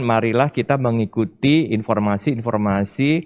marilah kita mengikuti informasi informasi